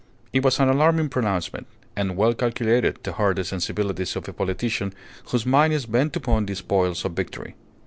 It was an alarming pronouncement, and well calculated to hurt the sensibilities of a politician whose mind is bent upon the spoils of victory.